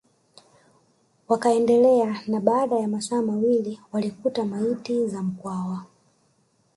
Wakaendelea na baada ya masaa mawili walikuta maiti za Mkwawa